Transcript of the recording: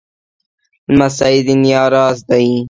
لمسی د نیا راز دی.